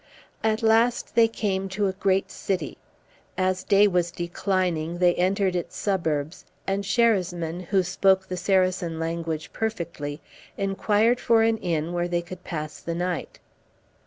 At last they came to a great city. As day was declining, they entered its suburbs, and Sherasmin, who spoke the Saracen language perfectly, inquired for an inn where they could pass the night.